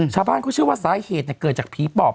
ชาวบ้านเขาเชื่อว่าสาเหตุเกิดจากผีปอบ